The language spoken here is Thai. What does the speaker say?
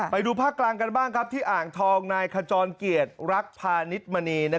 ไปดูภาคกลางกันบ้างครับที่อ่างทองนายขจรเกียรติรักพาณิชมณี